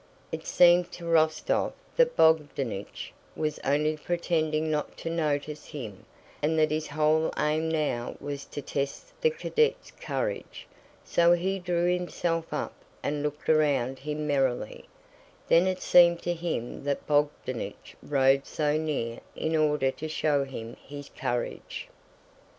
It seemed to Rostóv that Bogdánich was only pretending not to notice him, and that his whole aim now was to test the cadet's courage, so he drew himself up and looked around him merrily; then it seemed to him that Bogdánich rode so near in order to show him his courage.